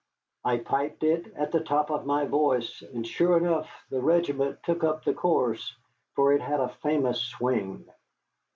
I piped it at the top of my voice, and sure enough the regiment took up the chorus, for it had a famous swing.